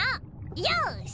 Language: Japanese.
よし！